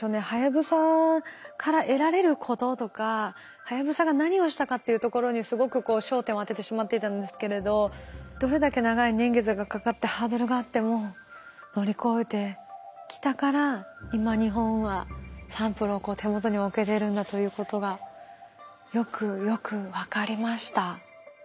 はやぶさから得られることとかはやぶさが何をしたかっていうところにすごくこう焦点を当ててしまっていたんですけれどどれだけ長い年月がかかってハードルがあっても乗り越えてきたから今日本はサンプルをこう手元に置けてるんだということがよくよく分かりました。